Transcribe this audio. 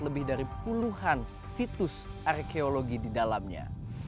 lebih dari puluhan situs arkeologi didalamnya